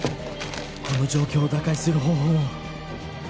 この状況を打開する方法を